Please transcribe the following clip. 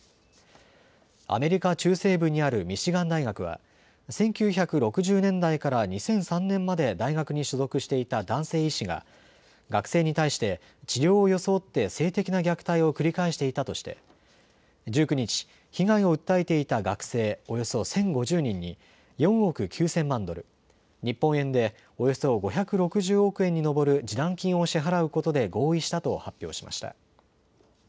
アメリカ中西部にあるミシガン大学は１９６０年代から２００３年まで大学に所属していた男性医師が学生に対して治療を装って性的な虐待を繰り返していたとして１９日、被害を訴えていた学生およそ１０５０人に４億９０００万ドル、日本円でおよそ５６０億円に上る示談金を支払うことで合意したと発表しました。